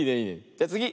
じゃつぎ。